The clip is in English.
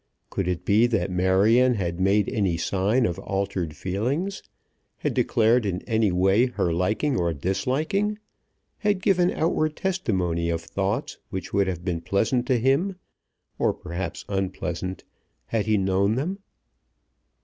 Could it be that Marion had made any sign of altered feelings; had declared in any way her liking or disliking; had given outward testimony of thoughts which would have been pleasant to him, or perhaps unpleasant, had he known them?